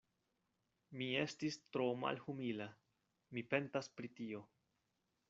Mi estis tro malhumila: mi pentas pri tio.